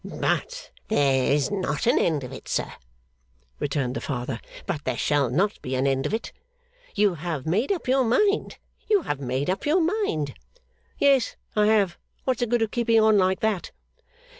'But there is not an end of it, sir,' returned the Father. 'But there shall not be an end of it. You have made up your mind? You have made up your mind?' 'Yes, I have. What's the good of keeping on like that?